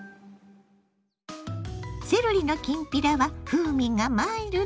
セロリのきんぴらは風味がマイルド。